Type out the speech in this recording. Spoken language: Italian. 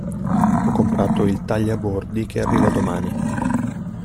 Ho comprato il taglia bordi che arriva domani.